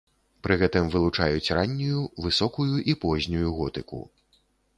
Пры гэтым вылучаюць раннюю, высокую і познюю готыку.